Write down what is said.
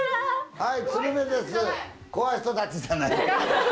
はい。